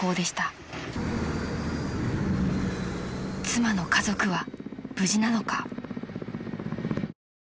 ［妻の家族は無事なのか］